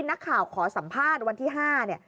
นักข่าวขอสัมภาษณ์วันที่๕